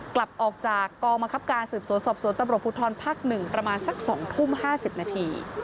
กลับออกจากกองบังคับการสืบสวนสอบสวนตำรวจภูทรภาค๑ประมาณสัก๒ทุ่ม๕๐นาที